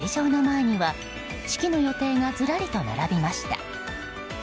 大安吉日ともなると会場の前には式の予定がずらりと並びました。